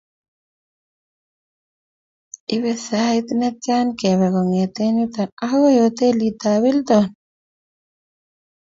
Ibe sait netya kebe kong'et yuto akoi hotelit ab Hilton?